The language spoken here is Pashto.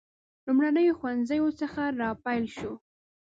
لومړنیو ښوونځیو څخه را پیل کړه.